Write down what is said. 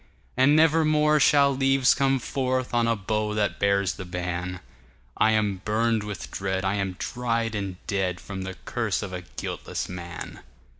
And never more shall leaves come forthOn a bough that bears the ban;I am burned with dread, I am dried and dead, From the curse of a guiltless man.